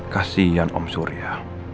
kasian om surya